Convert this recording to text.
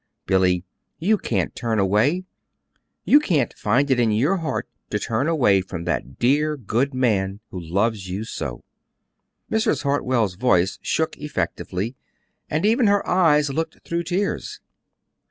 Billy, you can't turn away! you can't find it in your heart to turn away from that dear, good man who loves you so!" Mrs. Hartwell's voice shook effectively, and even her eyes looked through tears.